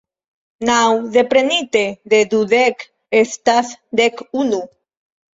Naŭ deprenite de dudek estas dek unu.